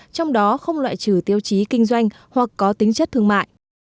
trong đó không loại trừ tiêu chí kinh doanh hoặc có tính chất thương mại